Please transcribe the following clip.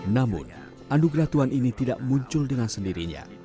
namun andugeratuan ini tidak muncul dengan sendirinya